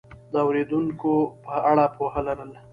د اورېدونکو په اړه پوهه لرل